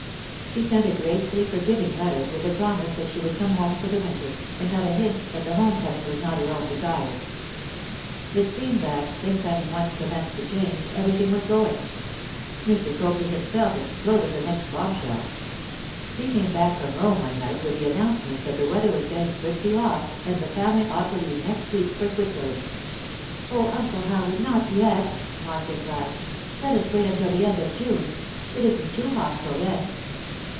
She sent a gracefully forgiving letter, with the promise that she would come home for the winter, and not a hint that the home coming was not her own desire. It seemed that, things having once commenced to change, everything was going. Mr. Copley himself exploded the next bombshell. He came back from Rome one night with the announcement that the weather was getting pretty hot, and the family ought to leave next week for Switzerland. 'Oh, Uncle Howard, not yet!' Marcia cried. 'Let us wait until the end of June. It isn't too hot till then.